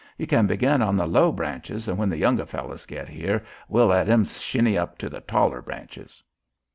You can begin on the low branches an' when the younger fellows get here we'll let 'em shinney up to the taller branches."